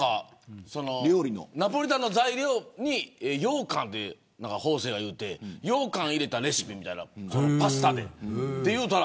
ナポリタンの材料にようかんと方正が言ってようかん入れたレシピみたいなパスタで。